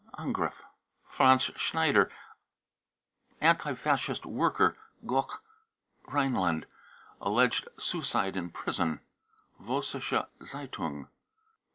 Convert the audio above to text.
(Angriff.) franz schneider, anti Fascist worker, Goch, Rhineland, alleged suicide in prison, (Vossiscke Z e itung.)